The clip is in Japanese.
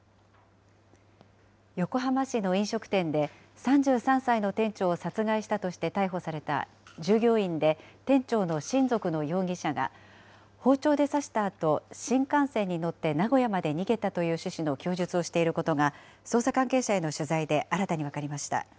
横浜市の飲食店で、３３歳の店長を殺害したとして逮捕された、従業員で店長の親族の容疑者が、包丁で刺したあと、新幹線に乗って名古屋まで逃げたという趣旨の供述をしていることが、捜査関係者への取材で新たに分かりました。